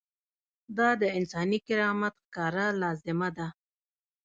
دا د انساني کرامت ښکاره لازمه ده.